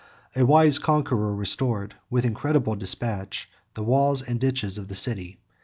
A wiser conqueror restored, with incredible despatch, the walls and ditches of the city.